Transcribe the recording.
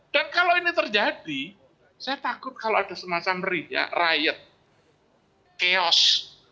dan kalau ini terjadi saya takut kalau ada semasa meriah riot chaos